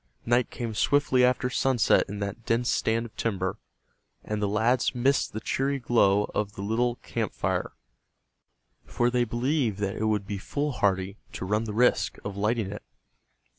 Night came swiftly after sunset in that dense stand of timber, and the lads missed the cheery glow of the little camp fire, for they believed that it would be foolhardy to run the risk of lighting it.